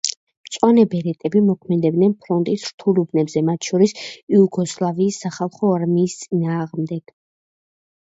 მწვანე ბერეტები მოქმედებდნენ ფრონტის რთულ უბნებზე, მათ შორის იუგოსლავიის სახალხო არმიის წინააღმდეგ.